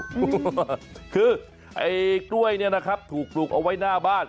โอ้โหคือไอ้กล้วยเนี่ยนะครับถูกปลูกเอาไว้หน้าบ้าน